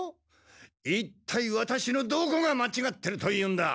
いったいワタシのどこがまちがってるというんだ？